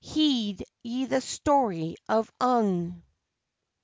_Heed ye the Story of Ung!